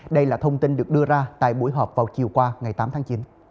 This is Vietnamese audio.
đây là thông tin được đưa ra tại buổi họp vào chiều qua ngày tám tháng chín